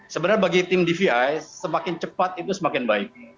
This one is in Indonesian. sebenarnya bagi tim dvi semakin cepat itu semakin baik